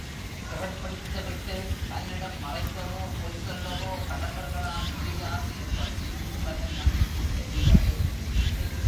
சிறைப்பிடித்துவிட்டு தன்னிடம் மறைக்கவோ, பொய் சொல்லவோ கடம்பர்களால் முடியாது என்பதும் குமரன் நம்பிக்குத் தெரிந்தது.